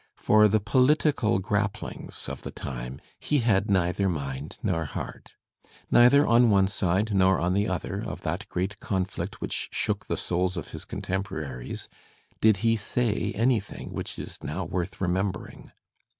For the political grapplings of the time he had neither mind nor heart. Neither on one side nor on the other of that great conflict which shook the souls of his contemporaries did he say anything which is now worth remembering.